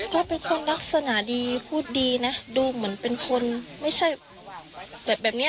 ก็เป็นคนลักษณะดีพูดดีนะดูเหมือนเป็นคนไม่ใช่แบบแบบนี้